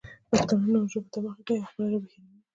پښتانه نورو ژبو ته مخه کوي او خپله ژبه هېروي.